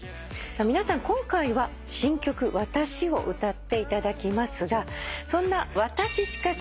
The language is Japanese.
皆さん今回は新曲『わたし』を歌っていただきますがそんな。